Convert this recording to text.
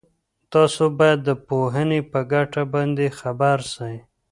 تاسو باید د پوهني په ګټه باندي خبر سئ.